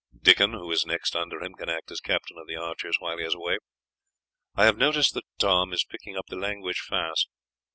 Dickon, who is next under him, can act as captain of the archers while he is away. I have noticed that Tom is picking up the language fast.